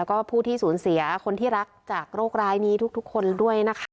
แล้วก็ผู้ที่สูญเสียคนที่รักจากโรคร้ายนี้ทุกคนด้วยนะคะ